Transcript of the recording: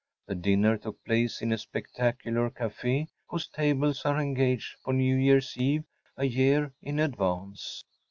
The dinner took place in a spectacular café whose tables are engaged for New Year’s eve a year in advance.